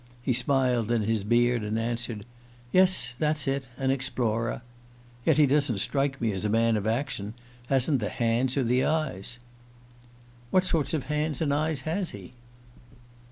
he smiled in his beard, and answered: 'Yes; that's it an explorer.' Yet he doesn't strike me as a man of action: hasn't the hands or the eyes." "What sort of hands and eyes has he?"